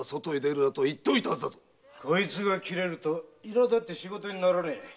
こいつが切れるといらだって仕事にならねえ。